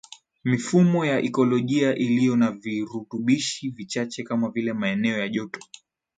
mifumo ya ikolojia iliyo na virutubishi vichache kama vile maeneo ya joto